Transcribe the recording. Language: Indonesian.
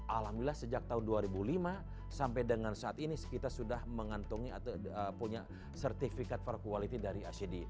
alhamdulillah sejak tahun dua ribu lima sampai dengan saat ini kita sudah mengantungi atau punya sertifikat for quality dari icd